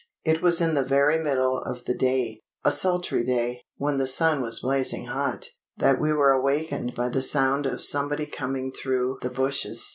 It was in the very middle of the day a sultry day, when the sun was blazing hot that we were awakened by the sound of somebody coming through the bushes.